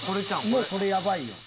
もうこれやばいよ。